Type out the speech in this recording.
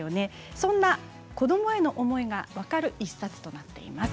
そんな子どもへの思いが分かる１冊となっています。